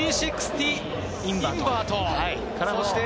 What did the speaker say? ３６０インバート。